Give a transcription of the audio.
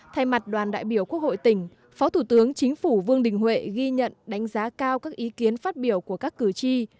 thay mặt đoàn đại biểu quốc hội tỉnh phó thủ tướng chính phủ vương đình huệ ghi nhận đánh giá cao các ý kiến phát biểu của các cử tri